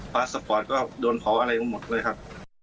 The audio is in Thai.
พาสปอร์ตก็โดนเผาอะไรหมดเลยครับ